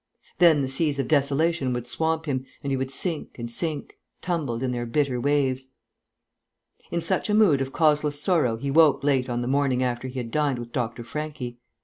Then the seas of desolation would swamp him and he would sink and sink, tumbled in their bitter waves. In such a mood of causeless sorrow he woke late on the morning after he had dined with Dr. Franchi.